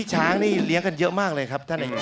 ช้างเรียกมาเยอะมากเลยครับ